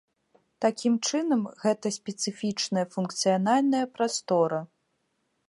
Такім чынам гэта спецыфічная функцыянальная прастора.